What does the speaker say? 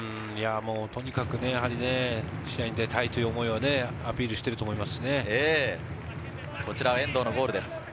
とにかく試合に出たいという思いはアピールしていると思います。